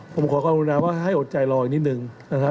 ผมขอขอบคุณครับว่าให้อดใจรออีกนิดนึงนะครับ